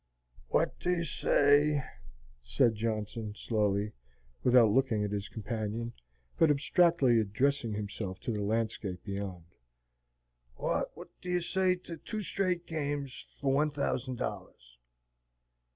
"Wot do you say," said Johnson, slowly, without looking at his companion, but abstractly addressing himself to the landscape beyond, "wot do you say to two straight games fur one thousand dollars?"